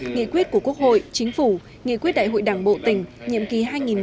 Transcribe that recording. nghị quyết của quốc hội chính phủ nghị quyết đại hội đảng bộ tỉnh nhiệm ký hai nghìn một mươi năm hai nghìn hai mươi